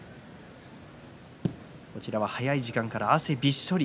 こちらは早い時間から汗びっしょり。